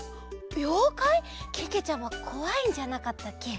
ようかい？けけちゃまこわいんじゃなかったっけ？